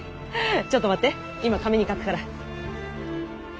ちょっと待って今紙に書くから。